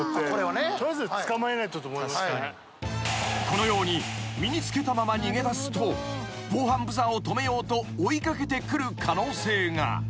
［このように身につけたまま逃げ出すと防犯ブザーを止めようと追い掛けてくる可能性が］